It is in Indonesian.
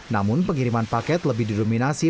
namun pengiriman paket lebih didominasi